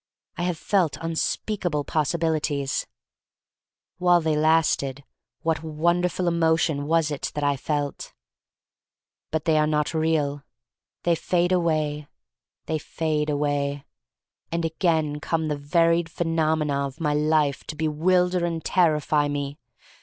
I have felt unspeakable possibilities. THE STORY OF MARY MAC LANE 209 While they lasted — what wonderful emotion was it that I felt? But they are not real. They fade away — they fade away. And again come the varied phe nomena of my life to bewilder and ter rify me.